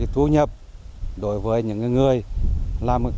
thu nhập đối với những người làm công tác